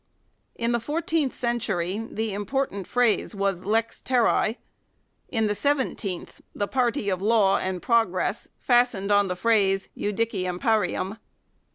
In the fourteenth century the important phrase was " lex terrae "; in the seventeenth the party of law and progress fastened on the phrase "judicium parium